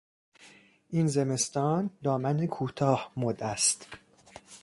این زمستان دامن کوتاه مد است.